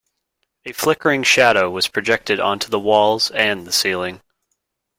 A flickering shadow was projected onto the walls and the ceiling.